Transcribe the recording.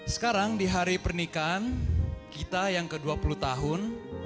sekarang di hari pernikahan kita yang ke dua puluh tahun